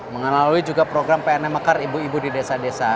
mengalami juga program pnmkr ibu ibu di desa desa